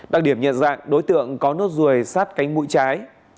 đặc điểm nhận ra đối tượng có nốt rùi sát cánh mũi trái